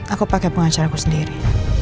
aku pakai pengacara aku sendiri